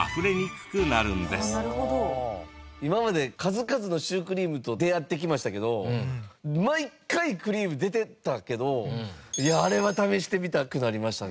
今まで数々のシュークリームと出会ってきましたけど毎回クリーム出てたけどあれは試してみたくなりましたね。